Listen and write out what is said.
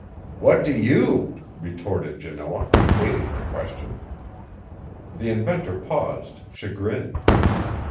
"What do you?" retorted Janoah, evading the question. The inventor paused, chagrined.